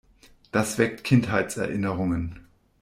Das weckt Kindheitserinnerungen.